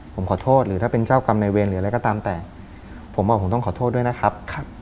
ผมขอโทษหรือถ้าเป็นเจ้ากรรมในเวรหรืออะไรก็ตามแต่ผมบอกผมต้องขอโทษด้วยนะครับ